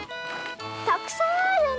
たくさんあるね